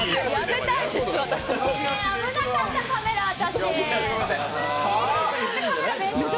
危なかったカメラ、私。